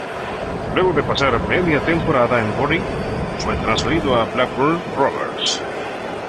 Luego de pasar media temporada en Bury fue transferido al Blackburn Rovers.